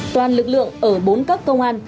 toàn lực lượng ở bốn cấp công an